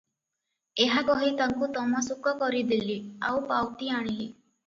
ଏହା କହି ତାଙ୍କୁ ତମସୁକ କରି ଦେଲି; ଆଉ ପାଉତି ଆଣିଲି ।